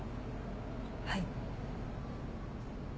はい。